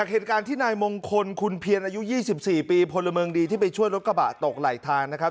เหตุการณ์ที่นายมงคลคุณเพียรอายุ๒๔ปีพลเมืองดีที่ไปช่วยรถกระบะตกไหลทางนะครับ